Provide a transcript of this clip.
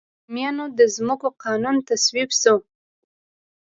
د بوميانو د ځمکو قانون تصویب شو.